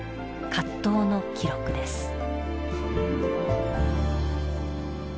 葛藤の記録です。